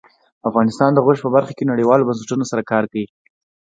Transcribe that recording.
افغانستان د غوښې په برخه کې نړیوالو بنسټونو سره کار کوي.